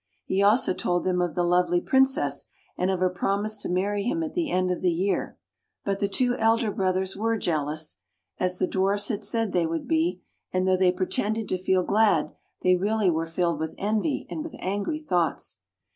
He also told them of the lovely Princess, and of her promise to marry him at the end of the year. But the two elder brothers were jealous, as the Dwarf had said they would be, and though they pretended to feel glad, they really were filled with envy and with angry thoughts.